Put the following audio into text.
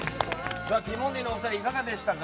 ティモンディのお二人いかがでしたか？